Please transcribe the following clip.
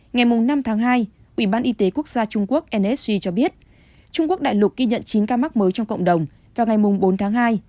ngày năm tháng hai ubnd trung quốc nsg cho biết trung quốc đại lục ghi nhận chín ca mắc mới trong cộng đồng vào ngày bốn tháng hai